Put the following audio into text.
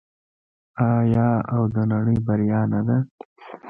آیا او د نړۍ بریا نه ده؟